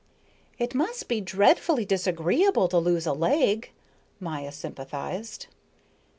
"It must be dreadfully disagreeable to lose a leg," Maya sympathized.